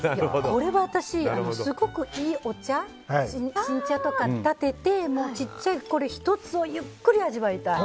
これは私、すごくいいお茶新茶とかたててこれ１つをゆっくり味わいたい。